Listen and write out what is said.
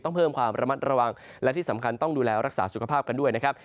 เพิ่มความระมัดระวังและที่สำคัญต้องดูแลรักษาสุขภาพกันด้วยนะครับ